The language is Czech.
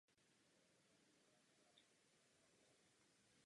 Režie a scénáře se ujal Richard Shepard.